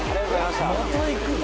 また行くの？